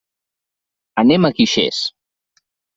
Anem a Guixers.